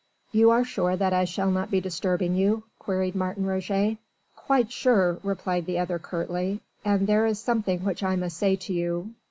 "You are sure that I shall not be disturbing you?" queried Martin Roget. "Quite sure," replied the other curtly. "And there is something which I must say to you